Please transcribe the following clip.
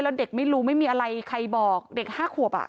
แล้วเด็กไม่รู้ไม่มีอะไรใครบอกเด็ก๕ขวบ